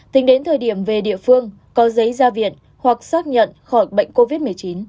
tính đến thời điểm về địa phương có giấy ra viện hoặc xác nhận khỏi bệnh covid một mươi chín